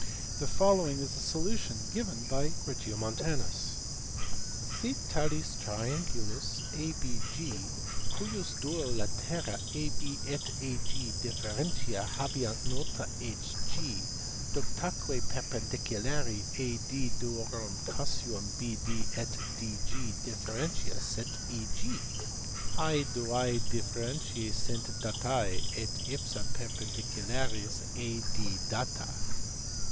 The following is the solution given by Regiomontanus. Sit talis triangulus ABG, cujus duo latera AB et AG differentia habeant nota HG, ductaque perpendicular! AD duorum casuum BD et DG, differentia sit EG: hae duae differentiae sint datae, et ipsa perpen dicularis AD data.